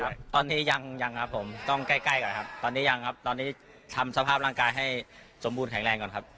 ครับตอนนี้ยังยังครับผมต้องใกล้ใกล้ก่อนครับตอนนี้ยังครับตอนนี้ทำสภาพร่างกายให้สมบูรณแข็งแรงก่อนครับ